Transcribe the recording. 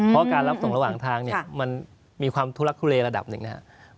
เพราะการรับส่งระหว่างทางเนี่ยมันมีความทุลักทุเลระดับหนึ่งนะครับ